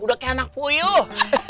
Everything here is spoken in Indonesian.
udah kayak anak puyuh